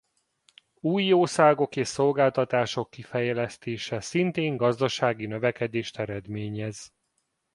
Új jószágok és szolgáltatások kifejlesztése szintén gazdasági növekedést eredményez.